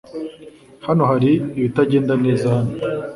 Hano hari ibitagenda neza hano .